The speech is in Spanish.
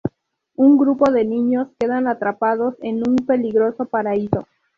Un grupo de niños quedan atrapados en un peligroso paraíso.